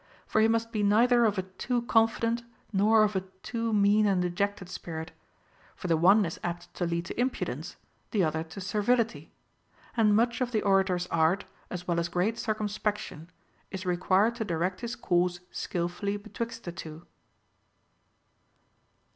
For he must be neither of a too confident nor of a too mean and dejected spirit ; for the one is apt to lead to impudence, the other to servility ; and much of the orator's art, as well as great circumspection, is required to direct his course skilfully betwixt the two.